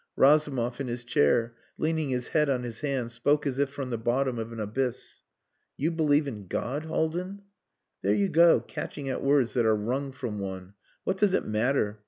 Razumov, in his chair, leaning his head on his hand, spoke as if from the bottom of an abyss. "You believe in God, Haldin?" "There you go catching at words that are wrung from one. What does it matter?